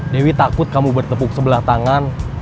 dewi takut kamu bertepuk sebelah tangan